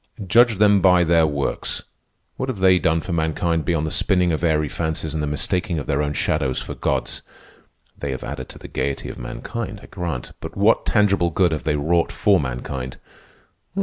"Judge them by their works. What have they done for mankind beyond the spinning of airy fancies and the mistaking of their own shadows for gods? They have added to the gayety of mankind, I grant; but what tangible good have they wrought for mankind?